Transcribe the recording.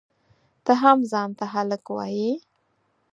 ته هم ځان ته هلک وایئ؟!